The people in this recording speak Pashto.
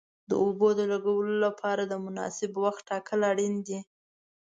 د اوبو د لګولو لپاره د مناسب وخت ټاکل اړین دي.